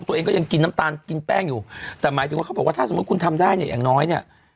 ตัวเองก็ยังกินน้ำตาลกินแป้งอยู่แต่หมายถึงว่าเขาบอกว่าถ้าสมมุติคุณทำได้เนี่ยอย่างน้อยเนี่ย